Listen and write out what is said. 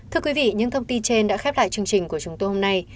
thưa quý vị những thông tin trên đã khép lại chương trình của chúng tôi hôm nay